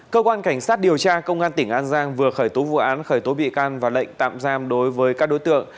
cơ quan cảnh sát điều tra công an tỉnh an giang vừa khởi tố vụ án khởi tố bị can và lệnh tạm giam đối với các đối tượng